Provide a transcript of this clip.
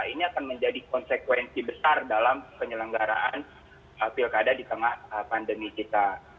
ini akan menjadi konsekuensi besar dalam penyelenggaraan pilkada di tengah pandemi kita